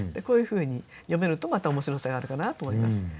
こういうふうに詠めるとまた面白さがあるかなと思います。